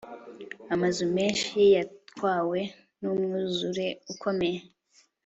Amazu menshi yatwawe numwuzure ukomeye